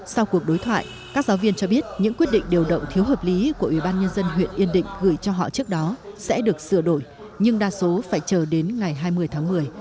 sau cuộc đối thoại các giáo viên cho biết những quyết định điều động thiếu hợp lý của ủy ban nhân dân huyện yên định gửi cho họ trước đó sẽ được sửa đổi nhưng đa số phải chờ đến ngày hai mươi tháng một mươi